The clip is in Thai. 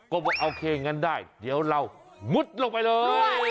โคมว่าเอาเคงั้นได้เดี๋ยวเรามุดลงไปเลย